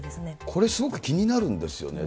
これすごく気になるんですよね。